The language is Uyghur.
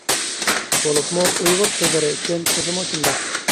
بولۇپمۇ ئۇيغۇر قىزلىرى ئۈچۈن تېخىمۇ شۇنداق.